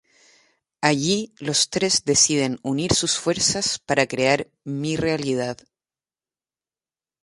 Allí los tres deciden unir sus fuerzas para crear "Mi Realidad".